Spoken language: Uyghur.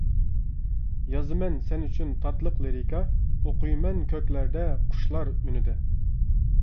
يازىمەن سەن ئۈچۈن تاتلىق لىرىكا، ئوقۇيمەن كۆكلەردە قۇشلار ئۈنىدە.